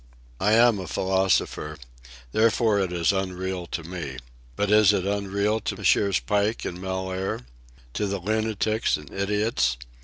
I am a philosopher. Therefore, it is unreal to me. But is it unreal to Messrs. Pike and Mellaire? to the lunatics and idiots?